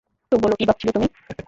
তো বলো, কী ভাবছিলে তুমি?